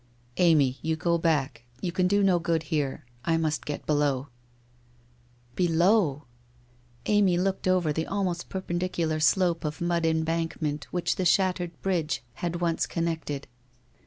' Amy, you go back. You can do no good here. I must get below/ Below ! Amy looked over the almost perpendicular slope of mud embankment which the shattered bridge had once connected.